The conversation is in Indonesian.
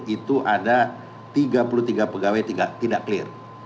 itu ada tiga puluh tiga pegawai tidak clear